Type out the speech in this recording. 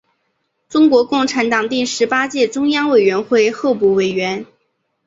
中国共产党第十八届中央委员会候补委员。